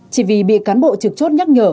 chỉ vì bị cán bộ trực chốt nhắc nhở